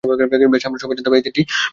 বেশ, আমরা সবাই জানতাম এই দিনটি আসবে।